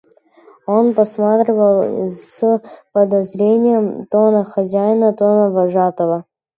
Он посматривал с подозрением то на хозяина, то на вожатого.